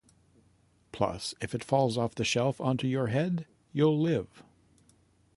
Plus, if it falls off the shelf onto your head, you'll live.